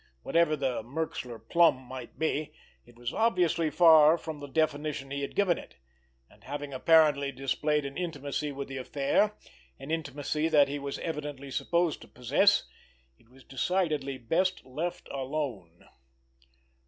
Whatever the "Merxler plum" might be, it was obviously far from the definition he had given it, and having apparently displayed an intimacy with the affair, an intimacy that he was evidently supposed to possess, it was decidedly best left alone!